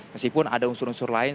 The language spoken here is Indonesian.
meskipun ada unsur unsur lain